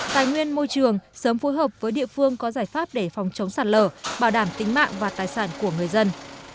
tài nguyên môi trường sớm phối hợp với địa phương có giải pháp để phòng chống sạt lở bảo đảm tính mạng và tài sản của người dân